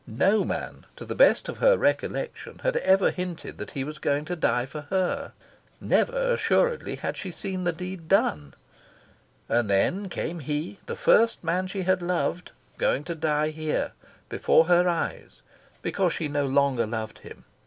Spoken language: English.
No man, to the best of her recollection, had ever hinted that he was going to die for her. Never, assuredly, had she seen the deed done. And then came he, the first man she had loved, going to die here, before her eyes, because she no longer loved him.